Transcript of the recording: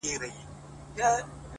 • دنیا د غم په ورځ پیدا ده,